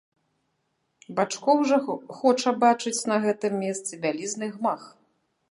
Бачкоў жа хоча бачыць на гэтым месцы вялізны гмах.